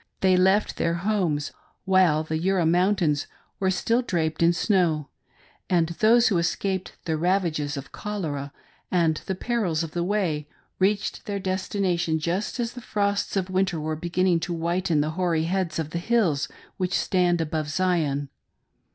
They left their homes while the Jura Mountains were still draped in snow, and those who escaped the ravages of cholera and the perils of the way, reached their destination just as the frosts of winter were beginning to whiten the hoary heads of the hills which stand about Zion.